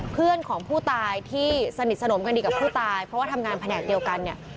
เพื่อนของผู้ตายที่สนิทสนมกันดีกับผู้ตายเพราะว่าทำงานแผนกเดียวกันเนี่ย